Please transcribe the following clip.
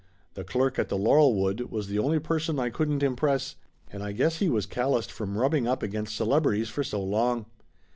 The clerk at the Laurelwood was the only person I couldn't impress, and I guess he was calloused from rubbing up against celebrities for so long.